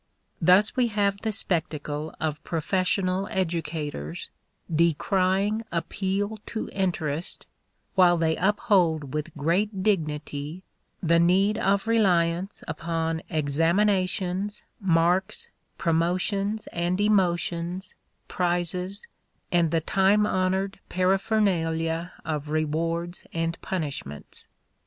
Thus we have the spectacle of professional educators decrying appeal to interest while they uphold with great dignity the need of reliance upon examinations, marks, promotions and emotions, prizes, and the time honored paraphernalia of rewards and punishments.